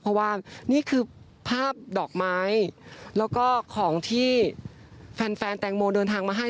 เพราะว่านี่คือภาพดอกไม้แล้วก็ของที่แฟนแฟนแตงโมเดินทางมาให้